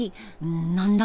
何だ？